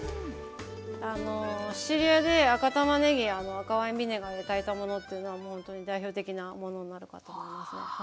シチリアで赤たまねぎ赤ワインビネガーで炊いたものっていうのはもうほんとに代表的なものになるかと思いますね。